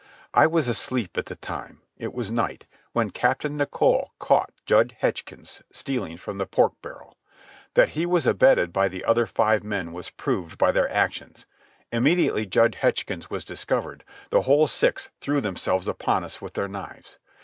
I was asleep at the time—it was night—when Captain Nicholl caught Jud Hetchkins stealing from the pork barrel. That he was abetted by the other five men was proved by their actions. Immediately Jud Hetchkins was discovered, the whole six threw themselves upon us with their knives.